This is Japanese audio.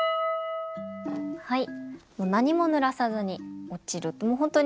はい。